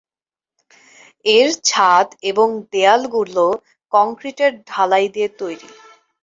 এর ছাদ এবং দেয়ালগুলো কংক্রিটের ঢালাই দিয়ে তৈরি।